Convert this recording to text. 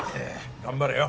頑張れよ